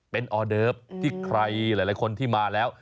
เป็นออเดิฟที่ใครหลายคนที่มาแล้ว